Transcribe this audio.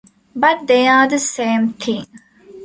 But they're the same thing!